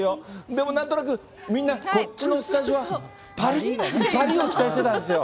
でもなんとなく、みんな、こっちのスタジオは、ぱりっ、ぱりっを期待してたんですよ。